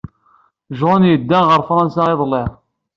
John yedda ɣer Fṛansa iḍelli.